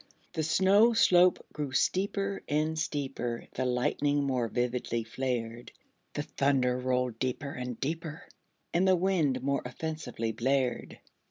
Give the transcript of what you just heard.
The snow slope grew steeper and steeper; The lightning more vividly flared; The thunder rolled deeper and deeper; And the wind more offensively blared.